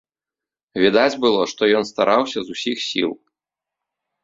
Відаць было, што ён стараўся з усіх сіл.